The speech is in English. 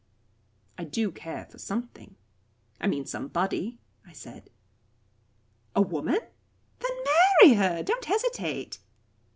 "I do care for something I mean somebody," I said. "A woman? Then marry her. Don't hesitate."